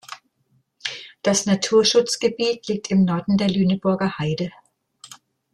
Das Naturschutzgebiet liegt im Norden der Lüneburger Heide.